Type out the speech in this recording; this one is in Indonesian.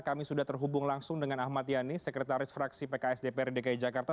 kami sudah terhubung langsung dengan ahmad yani sekretaris fraksi pks dprd dki jakarta